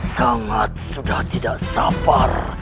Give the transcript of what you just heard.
sangat sudah tidak sabar